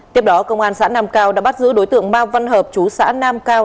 tiếp đó công an xã nam cao đã bắt giữ đối tượng ma văn hợp chú xã nam cao